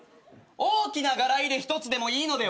大きなガラ入れ１つでもいいのでは？